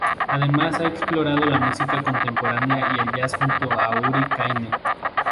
Además ha explorado la música contemporánea, y el Jazz junto a Uri Caine.